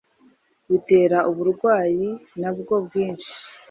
bitera uburwayi na bwo bwinshi